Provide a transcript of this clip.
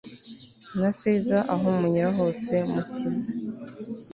na feza, aho munyura hose mukize